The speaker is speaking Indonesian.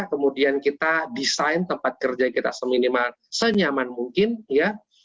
kemudian kita desain tempat kerja kita seminimal senyaman mungkin ya